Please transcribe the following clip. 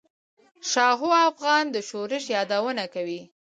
شاهو افغان د شورش یادونه کوي.